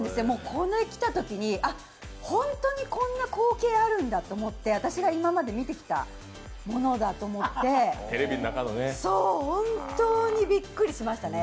これ、来たときに本当にこんな光景あるんだと思って私が今まで見てきたものだと思って本当にびっくりしましたね。